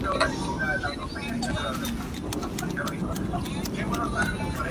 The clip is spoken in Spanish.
El edificio continúa siendo la sede de Royal Liver Assurance.